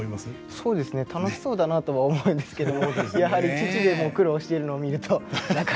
そうですね楽しそうだなとは思うんですけどもやはり父でも苦労しているのを見るとなかなか。